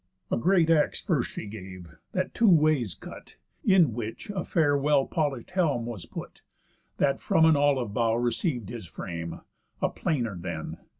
A great axe first she gave, that two ways cut, In which a fair well polish'd helm was put, That from an olive bough receiv'd his frame. A plainer then.